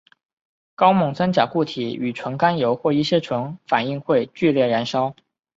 高锰酸钾固体与纯甘油或一些醇反应会剧烈燃烧。